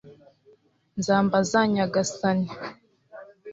nzambaza nyagasani